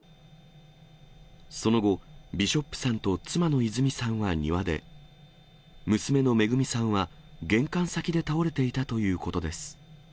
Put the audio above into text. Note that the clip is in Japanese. その後、ビショップさんと妻の泉さんは庭で、娘の恵さんは玄関先で倒れていたということです。